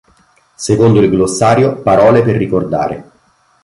Secondo il glossario "Parole per ricordare.